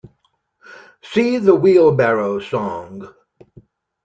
See "The Wheelbarrow Song".